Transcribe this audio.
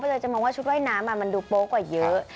เลยจะมองว่าชุดว่ายน้ำมันดูโป๊กว่าเยอะ